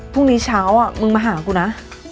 พรุ่งนี้เช้ามึงมาหากูนะ